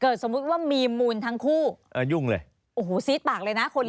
เกิดสมมุติว่ามีมูลทั้งคู่